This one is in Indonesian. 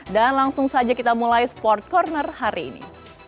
dan langsung saja kita mulai sport corner hari ini